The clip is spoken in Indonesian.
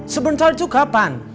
sebentar itu kapan